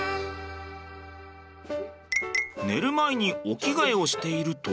寝る前にお着替えをしていると。